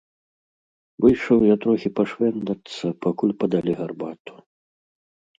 Выйшаў я трохі пашвэндацца, пакуль падалі гарбату.